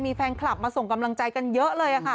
มีแฟนคลับมาส่งกำลังใจกันเยอะเลยค่ะ